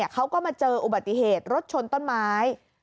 เขาก็มาเจออุบัติเหตุรถชนต้นไม้